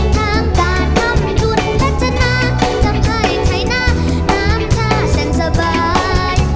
ทางการคำจุดพัฒนาทำให้ไขหน้าน้ำชาเสียงสบาย